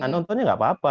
nontonnya tidak apa apa